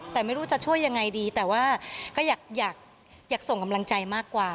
แต่ไม่รู้จะช่วยยังไงดีแต่ว่าก็อยากส่งกำลังใจมากกว่า